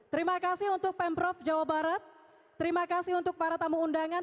terima kasih untuk pemprov jawa barat terima kasih untuk para tamu undangan